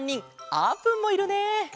あーぷんもいるね！